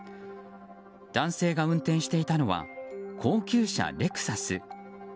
男性が運転していたのは高級車レクサス。